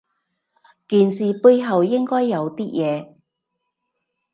件事背後應該有啲嘢